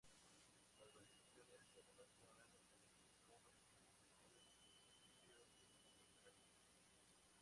Las variaciones se relacionan entre sí con frecuencia según el principio del contraste.